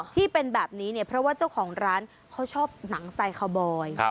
ที่เป็นแบบนี้เนี่ยเพราะว่าเจ้าของร้านเขาชอบหนังไซคาวบอย